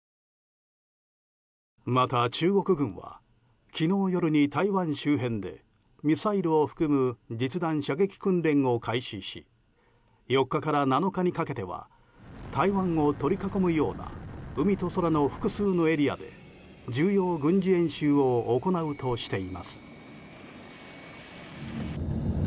また中国軍は昨日夜に台湾周辺でミサイルを含む実弾射撃訓練を開始し４日から７日にかけては台湾を取り囲むような海と空の複数のエリアで重要軍事演習を行うとしています。